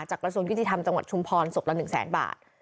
จากกระทรวงกิจิธรรมจังหวัดชุมพรสบละ๑๐๐๐๐๐บาท